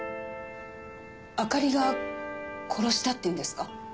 あかりが殺したって言うんですか？